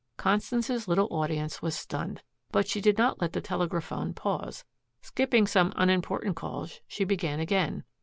Constance's little audience was stunned. But she did not let the telegraphone pause. Skipping some unimportant calls, she began again.